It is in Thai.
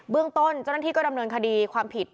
เรื่องต้นเจ้าหน้าที่ก็ดำเนินคดีความผิด